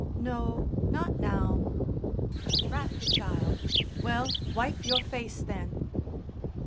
"No, not now." "Drat the child! Well, wipe your face, then."